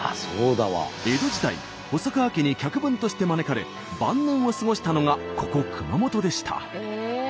江戸時代細川家に客分として招かれ晩年を過ごしたのがここ熊本でした。